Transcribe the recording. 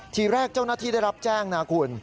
ทีแรกเจ้าหน้าที่ได้รับแจ้งนะคุณ